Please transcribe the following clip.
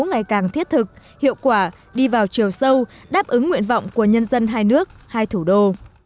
ngày càng thiết thực hiệu quả đi vào chiều sâu đáp ứng nguyện vọng của nhân dân hai nước hai thủ đô